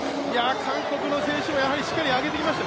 韓国の選手もしっかり上げてきました。